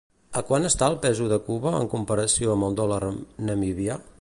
A quant està el peso de Cuba en comparació amb el dòlar namibià?